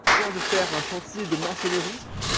Tu viens de faire un chantier de maçonnerie ?